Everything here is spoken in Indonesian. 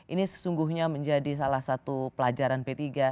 ini sesungguhnya menjadi salah satu pelajaran p tiga